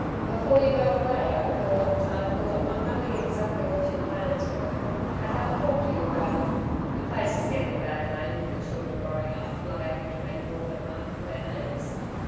"Before you go away I thought I thought, not knowing exactly what your plans were, I'd have a talk to you about it. The place is gettin' a bad name with the children growing up not able to make more than a mark for their names.